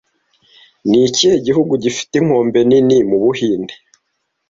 Ni ikihe gihugu gifite inkombe nini mu Buhinde